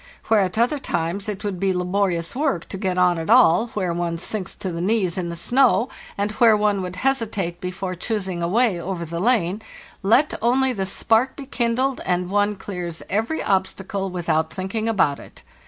Where at other times it would be laborious work to get on at all, where one sinks to the knees in the snow, and where one would hesitate be fore choosing a way over the lane, let only the spark be kindled, and one clears every obstacle without thinking about it.